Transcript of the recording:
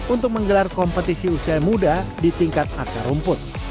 untuk menggelar kompetisi usia muda di tingkat akar rumput